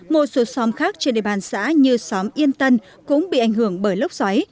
một số xóm khác trên địa bàn xã như xóm yên tân cũng bị ảnh hưởng bởi lốc xoáy